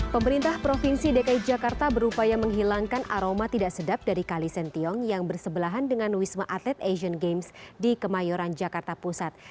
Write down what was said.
pemerintah provinsi dki jakarta berupaya menghilangkan aroma tidak sedap dari kalisentiong yang bersebelahan dengan wisma atlet asian games di kemayoran jakarta pusat